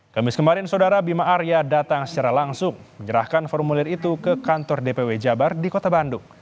kamis kemarin saudara bima arya datang secara langsung menyerahkan formulir itu ke kantor dpw jabar di kota bandung